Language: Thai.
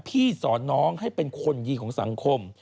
พี่สอนน้องให้เป็นคนดีของสังคม